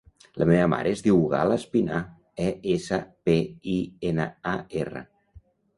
La meva mare es diu Gala Espinar: e, essa, pe, i, ena, a, erra.